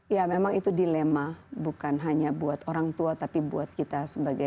iya memang itu dilema bukan hanya buat orang tua tapi buat kita juga ya